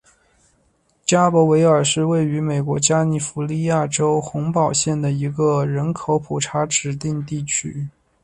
加伯维尔是位于美国加利福尼亚州洪堡县的一个人口普查指定地区。